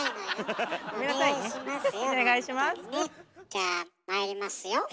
じゃあまいりますよ。